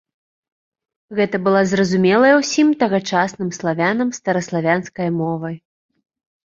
Гэта была зразумелая ўсім тагачасным славянам стараславянскай мовай.